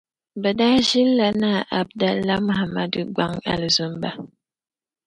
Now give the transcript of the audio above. Bɛ daa ʒilila Naa Abdulai Mahamadu gbaŋ Alizumba